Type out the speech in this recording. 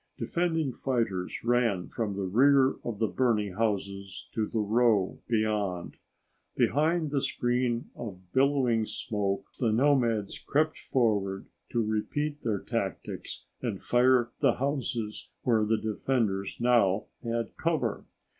Defending fighters ran from the rear of the burning houses to the row beyond. Behind the screen of billowing smoke the nomads crept forward to repeat their tactics and fire the houses where the defenders now had cover.